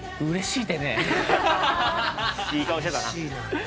いい顔してたな。